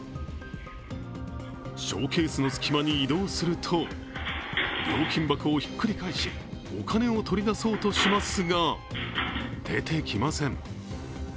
ショーケースの隙間に移動すると料金箱をひっくり返しお金を取り出そうとしますが、出てきません。